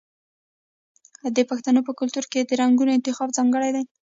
د پښتنو په کلتور کې د رنګونو انتخاب ځانګړی دی.